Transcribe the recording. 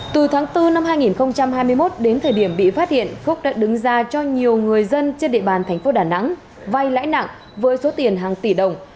từ tháng bốn năm hai nghìn hai mươi một đến thời điểm bị phát hiện phúc đã đứng ra cho nhiều người dân trên địa bàn thành phố đà nẵng vay lãi nặng với số tiền hàng tỷ đồng